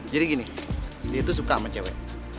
jadi gini dia tuh suka sama cewe